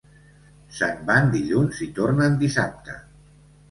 Se'n van dilluns i tornen dissabte.